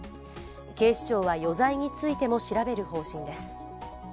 警視庁は余罪についても調べる方針です。